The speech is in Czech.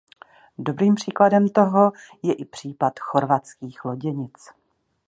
Dobrým příkladem toho je i případ chorvatských loděnic.